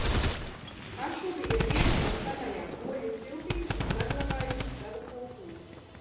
Kašubi ir viena no senajām poļu ciltīm, kas saglabājuši savu kultūru.